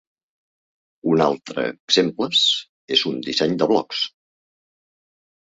Un altre exemples és un disseny de blocs.